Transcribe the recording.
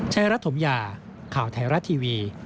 รัฐถมยาข่าวไทยรัฐทีวี